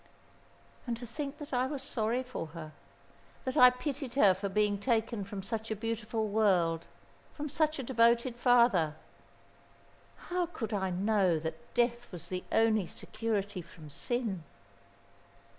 "And to think that I was sorry for her, that I pitied her for being taken from such a beautiful world, from such a devoted father. How could I know that Death was the only security from sin?"